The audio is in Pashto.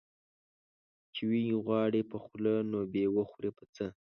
چي وې غواړې په خوله، نو وبې خورې په څه؟